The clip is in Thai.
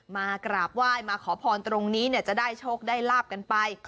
มากราบไหว้มาขอพรตรงนี้จะได้โชคได้ลาบกันไป